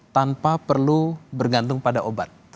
tanpa perlu bergantung pada obat